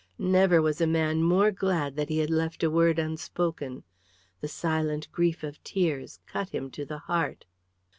Never was a man more glad that he had left a word unspoken. This silent grief of tears cut him to the heart.